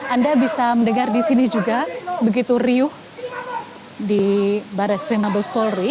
anda bisa mendengar di sini juga begitu riuh di barres krim mabes polri